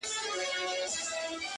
هر مشکل ته پیدا کېږي یوه لاره،